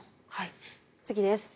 次です。